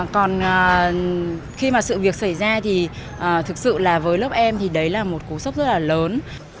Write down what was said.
còn khi mà sự việc xảy ra thì thực sự là với lớp em thì đấy là một cú sốc rất là lớn